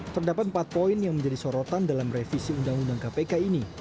terdapat empat poin yang menjadi sorotan dalam revisi undang undang kpk ini